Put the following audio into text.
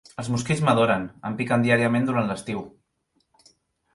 Els mosquits m'adoren, em piquen diàriament durant l'estiu.